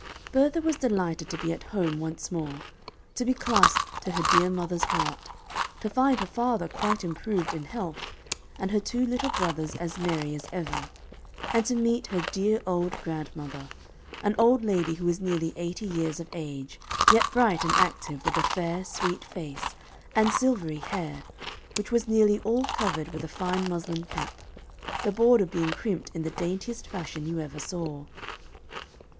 _"] Bertha was delighted to be at home once more, to be clasped to her dear mother's heart, to find her father quite improved in health, and her two little brothers as merry as ever; and to meet her dear old grandmother, an old lady who was nearly eighty years of age, yet bright and active, with a fair, sweet face, and silvery hair, which was nearly all covered with a fine muslin cap, the border being crimped in the daintiest fashion you ever saw.